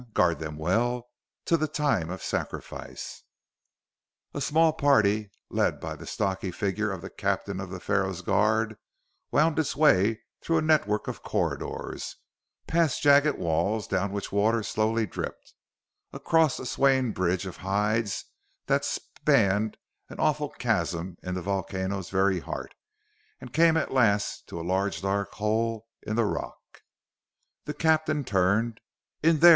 Guard them well, till the time of sacrifice!" A small party, led by the stocky figure of the captain of the Pharaoh's guard, wound its way through a network of corridors, past jagged walls down which water slowly dripped, across a swaying bridge of hides that spanned an awful chasm in the volcano's very heart, and came at last to a large dark hole in the rock. The captain turned. "In there!"